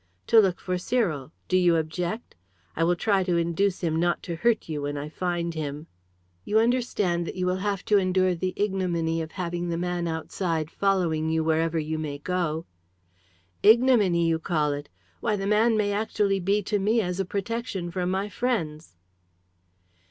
"To look for Cyril. Do you object? I will try to induce him not to hurt you, when I find him." "You understand that you will have to endure the ignominy of having the man outside following you wherever you may go." "Ignominy, you call it! Why, the man may actually be to me as a protection from my friends."